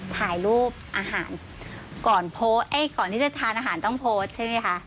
ถ่ายรูปอาหารก่อนที่จะทานอาหารต้องโพสต์ใช่ไหมคะ